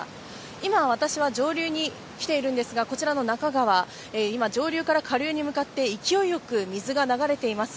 今私は上流に来ているんですがこちらの那珂川、上流から下流に向かって勢いよく水が流れています。